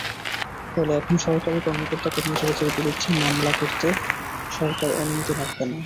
ফলে এখন সরকারি কর্মকর্তা-কর্মচারীদের বিরুদ্ধে মামলা করতে সরকারের অনুমতি লাগবে না।